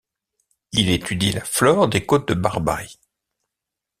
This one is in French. Il étudie la flore des côtes de Barbarie.